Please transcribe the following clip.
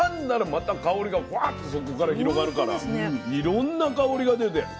また香りがフワッとそこから広がるからいろんな香りが出て。